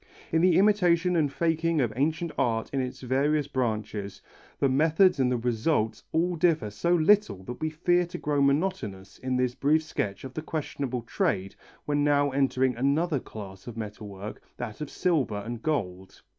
In the imitation and faking of ancient art in its various branches, the methods and the results all differ so little that we fear to grow monotonous in this brief sketch of the questionable trade when now entering another class of metal work, that of silver and gold.